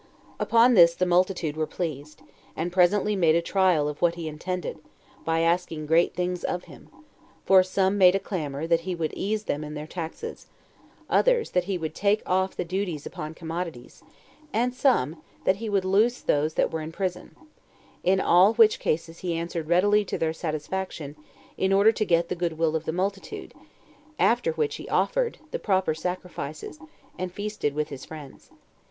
2. Upon this the multitude were pleased, and presently made a trial of what he intended, by asking great things of him; for some made a clamor that he would ease them in their taxes; others, that he would take off the duties upon commodities; and some, that he would loose those that were in prison; in all which cases he answered readily to their satisfaction, in order to get the good will of the multitude; after which he offered [the proper] sacrifices, and feasted with his friends.